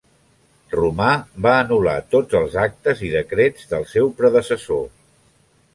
Romà va anul·lar tots els actes i decrets del seu predecessor.